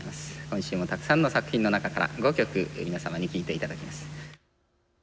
今週も、たくさんの中から５曲、皆様に聴いていただきます。